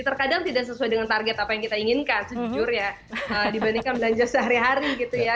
terkadang tidak sesuai dengan target apa yang kita inginkan sejujurnya dibandingkan belanja sehari hari gitu ya